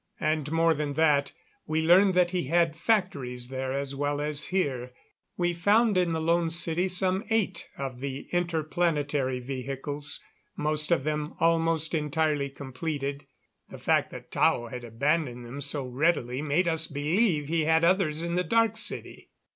And more than that, we learned that he had factories there as well as here. We found in the Lone City some eight of the interplanetary vehicles most of them almost entirely completed. The fact that Tao had abandoned them so readily made us believe he had others in the Dark City.